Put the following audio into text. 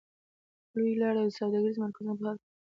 لویې لارې او سوداګریز مرکزونه په حال کې وې.